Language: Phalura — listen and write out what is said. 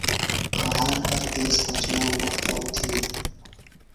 قہار ہر دیس روھوتشنام وختہ اُتھی دےۡ۔